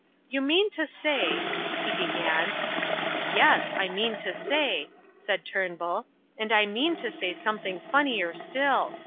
"You mean to say," he began "Yes, I mean to say," said Turnbull, "and I mean to say something funnier still.